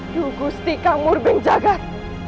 yung gusti kamur beng jagat